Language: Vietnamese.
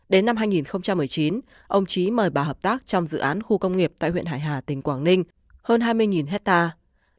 đến năm hai nghìn một mươi chín ông trí mời bà hợp tác trong dự án khu công nghiệp tại huyện hải hà tỉnh quảng ninh hơn hai mươi hectare